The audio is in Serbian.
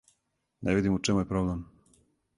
Не видим у чему је проблем.